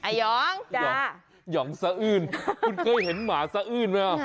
หยองหยองหยองซะอื้นคุณเคยเห็นหมาซะอื้นไหม